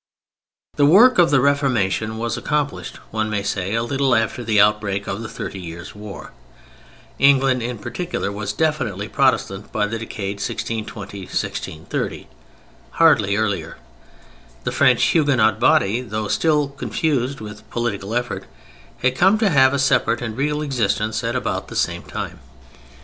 The work of the Reformation was accomplished, one may say, a little after the outbreak of the Thirty Years' War. England in particular was definitely Protestant by the decade 1620 1630—hardly earlier. The French Huguenot body, though still confused with political effort, had come to have a separate and real existence at about the same time.